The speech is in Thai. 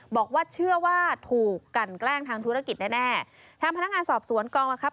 บอกว่าเชื่อว่าถูกกันแกล้งทางธุรกิจแน่แน่ทางพนักงานสอบสวนกองบังคับ